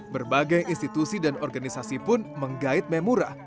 berbagai institusi dan organisasi pun menggait memurah